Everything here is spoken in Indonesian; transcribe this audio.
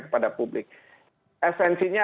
kepada publik esensinya